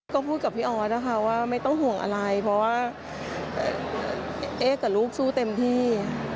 ก็พูดกับพี่ออสนะคะว่าไม่ต้องห่วงอะไรเพราะว่าเอ๊กับลูกสู้เต็มที่